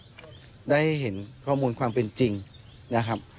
ได้เห็นข้อมูลความเป็นจริงนะครับ